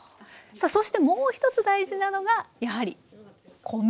さあそしてもう一つ大事なのがやはり米です。